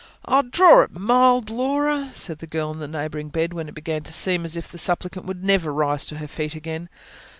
"Oh, draw it mild, Laura!" said the girl in the neighbouring bed, when it began to seem as if the supplicant would never rise to her feet again.